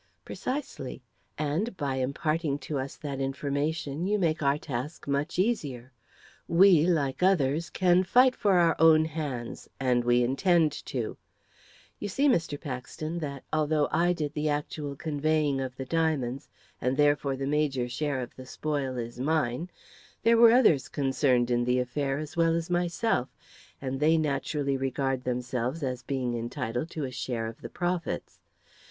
"Precisely; and, by imparting to us that information, you make our task much easier. We, like others, can fight for our own hands and we intend to. You see, Mr. Paxton, that, although I did the actual conveying of the diamonds, and therefore the major share of the spoil is mine, there were others concerned in the affair as well as myself, and they naturally regard themselves as being entitled to a share of the profits.